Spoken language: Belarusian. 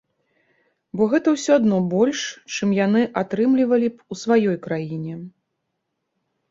Бо гэта ўсё адно больш, чым яны атрымлівалі б у сваёй краіне.